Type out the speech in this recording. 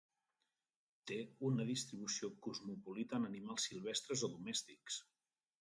Té una distribució cosmopolita en animals silvestres o domèstics.